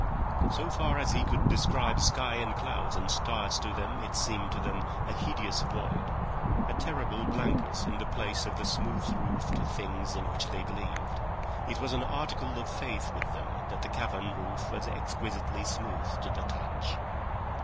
So far as he could describe sky and clouds and stars to them it seemed to them a hideous void, a terrible blankness in the place of the smooth roof to things in which they believed—it was an article of faith with them that the cavern roof was exquisitely smooth to the touch.